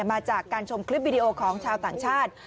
มาจากการชมคลิปวิดีโอของชาวต่างชาติ